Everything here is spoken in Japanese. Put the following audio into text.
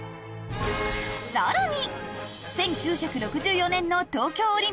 ［さらに！］